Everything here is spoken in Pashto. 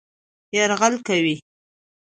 يرغل کوي